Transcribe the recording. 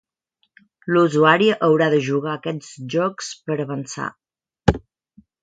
L'usuari haurà de jugar aquests jocs per avançar.